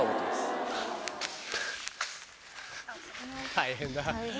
大変だ。